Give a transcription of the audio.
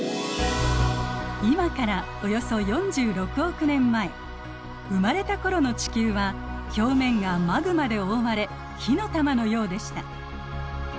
今からおよそ生まれた頃の地球は表面がマグマで覆われ火の玉のようでした。